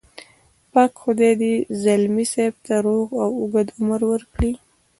پاک خدای دې ځلمي صاحب ته روغ او اوږد عمر ورکړي.